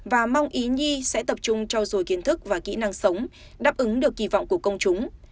và mong ý nhi sẽ tập trung trao dồi kiến thức và kỹ năng sống đáp ứng được kỳ vọng của công chúng